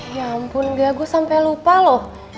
ya ampun gak gue sampai lupa loh